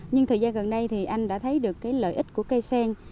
nhưng thời gian gần đây thì anh đã thấy được cái lợi ích của cây sen